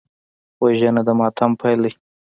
وژنه د ماتم پیل دی